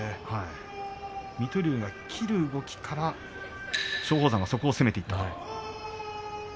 水戸龍が切る動きから松鳳山がそこを攻めていきました。